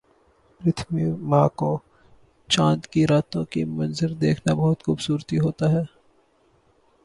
پرتھویں ماہ کو چاند کی راتوں کا منظر دیکھنا بہت خوبصورتی ہوتا ہے